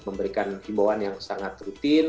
memberikan himbauan yang sangat rutin